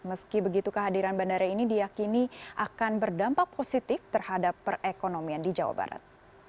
meski begitu kehadiran bandara ini diyakini akan berdampak positif terhadap perekonomian di jawa barat